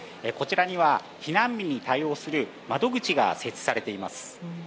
こちらには避難民に対応する窓口が設置されています。